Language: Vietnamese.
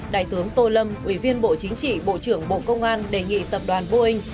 đại tướng tô lâm ủy viên bộ chính trị bộ trưởng bộ công an đề nghị tập đoàn boeing